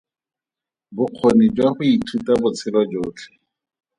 Bokgoni jwa go ithuta botshelo jotlhe.